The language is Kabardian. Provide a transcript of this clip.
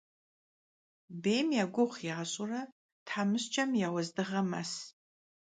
Bêym ya gugu yaş'ure themışç'em ya vuezdığe mes.